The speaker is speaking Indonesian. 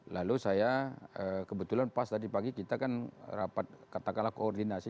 lalu saya kebetulan pas tadi pagi kita kan rapat katakanlah koordinasi